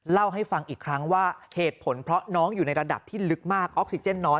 เล่าให้ฟังอีกครั้งว่าเหตุผลเพราะน้องอยู่ในระดับที่ลึกมากออกซิเจนน้อย